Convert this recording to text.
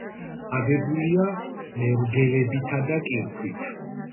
აგებულია მერგელებითა და კირქვით.